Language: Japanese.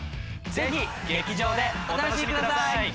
是非劇場でお楽しみください。